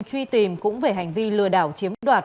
truy tìm cũng về hành vi lừa đảo chiếm đoạt